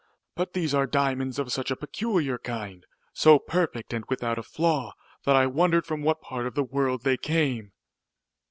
"But these are diamonds of such a peculiar kind, so perfect and without a flaw, that I wondered from what part of the world they came."